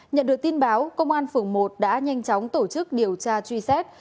nhận được tin báo công an phường một đã nhanh chóng tổ chức điều tra truy xét